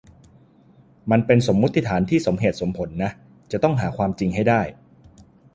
มันเป็นสมมุติฐานที่สมเหตุสมผลนะ จะต้องหาความจริงให้ได้